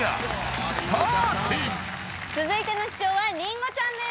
続いての師匠はりんごちゃんです。